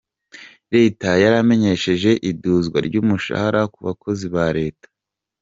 Reta yaramenyesheje iduzwa ry'umushahara ku bakozi ba reta.